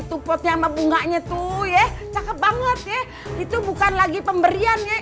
tuh potnya ama bunganya tuh ya cakep banget ya itu bukan lagi pemberiannya